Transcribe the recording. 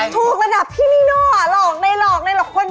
ถูกระดับพี่นิโน่หลอกใดคนเช่าพ่อหลอกเก่ง